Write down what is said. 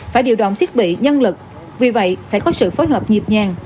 phải điều động thiết bị nhân lực vì vậy phải có sự phối hợp nhịp nhàng